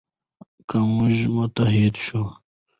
که موږ متحد شو.